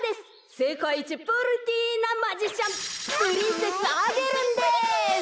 せかいいちプリティーなマジシャンプリンセスアゲルンです。